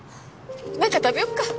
何か食べよっか。